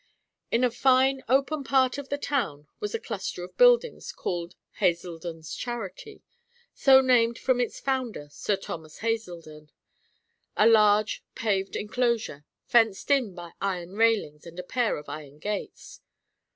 In a fine, open part of the town was a cluster of buildings, called Hazeldon's Charity, so named from its founder Sir Thomas Hazeldon a large, paved inclosure, fenced in by iron railings, and a pair of iron gates.